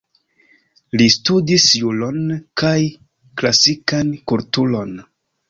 Li studis juron, kaj klasikan kulturon.